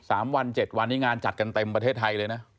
สามวันเจ็ดวันนี้งานจัดกันเต็มประเทศไทยเลยนะ